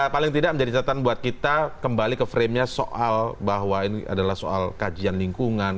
paling tidak menjadi catatan buat kita kembali ke frame nya soal bahwa ini adalah soal kajian lingkungan